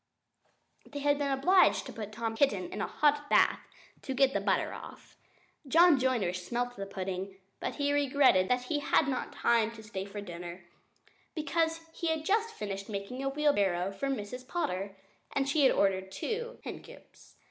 They had been obliged to put Tom Kitten into a hot bath to get the butter off. John Joiner smelt the pudding; but he regretted that he had not time to stay to dinner, because he had just finished making a wheelbarrow for Miss Potter, and she had ordered two hen coops.